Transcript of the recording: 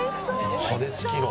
羽根付きの。